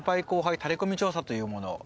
タレコミ調査というもの